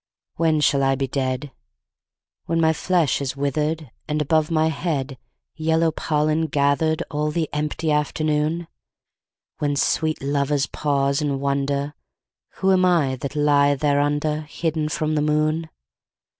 When shall I be dead? When my flesh is withered, And above my head Yellow pollen gathered All the empty afternoon? When sweet lovers pause and wonder Who am I that lie thereunder, Hidden from the moon?